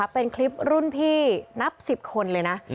เป็นคลิปรุ่นพี่นับ๑๐คนเลยนะ